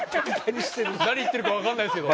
何言ってるかわかんないんですけど。